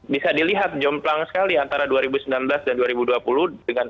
bisa dilihat jomplang sekali antara dua ribu sembilan belas dan dua ribu dua puluh dengan